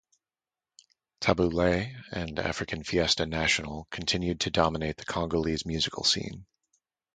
Tabu Ley and African Fiesta National continued to dominate the Congolese musical scene.